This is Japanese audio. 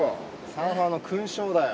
サーファーの勲章だよ。